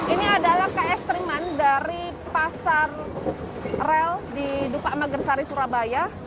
ini adalah keekstriman dari pasar rel di dupak magersari surabaya